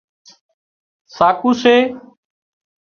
ساڪُو سي